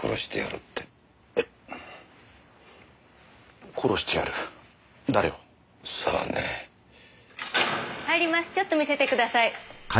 ちょっと見せてください。